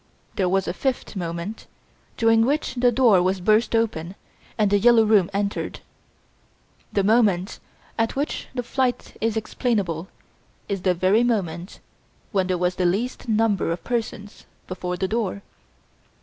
There was a fifth moment, during which the door was burst open and "The Yellow Room" entered. The moment at which the flight is explainable is the very moment when there was the least number of persons before the door.